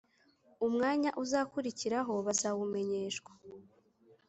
Umwanya uzakurikiraho bazawumenyeshwa